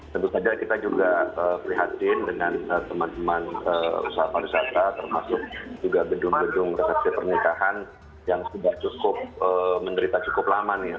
tentu saja kita juga prihatin dengan teman teman usaha pariwisata termasuk juga gedung gedung resepsi pernikahan yang sudah cukup menderita cukup lama nih